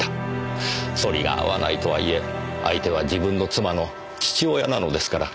反りが合わないとはいえ相手は自分の妻の父親なのですから。